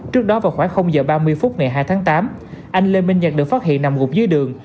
trước đó vào khoảng h ba mươi phút ngày hai tháng tám anh lê minh nhật được phát hiện nằm gục dưới đường